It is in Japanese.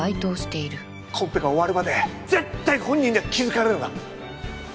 コンペが終わるまで絶対本人には気づかれるな！